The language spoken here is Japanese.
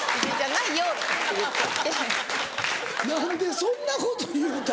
何でそんなこと言うた。